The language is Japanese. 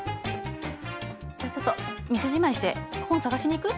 じゃあちょっと店じまいして本探しに行く？